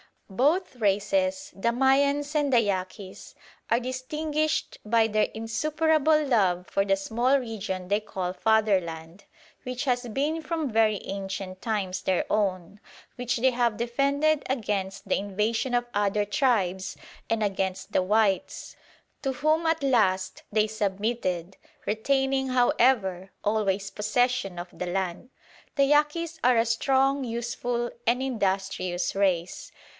Both races, the Mayans and the Yaquis, are distinguished by their insuperable love for the small region they call fatherland, which has been from very ancient times their own, which they have defended against the invasion of other tribes and against the whites, to whom at last they submitted, retaining, however, always possession of the land. The Yaquis are a strong, useful, and industrious race.